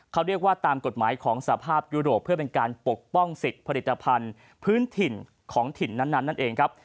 เขาเรียกว่าตามกฎหมายของสภาพยุโรปเพื่อเป็นการปกป้องสิทธิ์ผลิตภัณฑ์พื้นถิ่นของถิ่นนั้นนั่นเองครับ